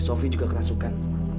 sophie juga kerasukan